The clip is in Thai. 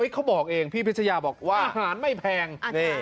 เขาบอกเองพี่พิชยาบอกว่าอาหารไม่แพง